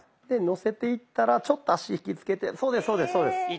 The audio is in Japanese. でのせていったらちょっと足引き付けてそうですそうです。